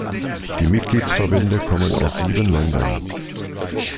Die Mitgliedsverbände kommen aus sieben Ländern.